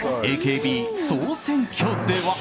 ＡＫＢ総選挙では。